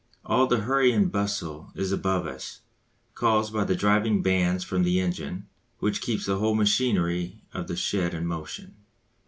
All the hurry and bustle is above us, caused by the driving bands from the engine, which keeps the whole machinery of the shed in motion.